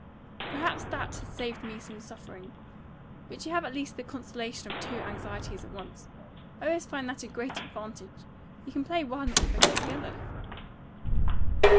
"Perhaps that has saved me some suffering. But you have at least the consolation of two anxieties at once. I always find that a great advantage. You can play one off against the other."